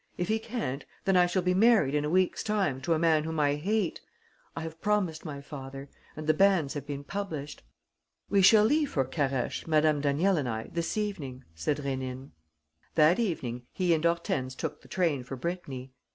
If he can't, then I shall be married in a week's time to a man whom I hate. I have promised my father; and the banns have been published." "We shall leave for Carhaix, Madame Daniel and I, this evening," said Rénine. That evening he and Hortense took the train for Brittany.